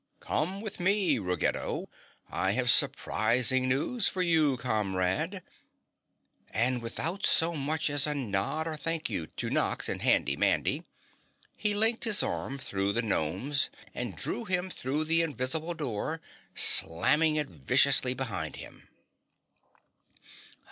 "Come with me, Ruggedo, I have surprising news for you, comrade!" And without so much as a nod or "thank you" to Nox and Handy Mandy, he linked his arm through the Gnome's and drew him through the invisible door, slamming it viciously behind him.